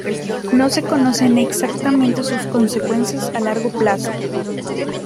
No se conocen exactamente sus consecuencias a largo plazo.